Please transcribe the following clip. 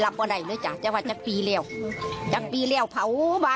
คุณผู้ชมค่ะ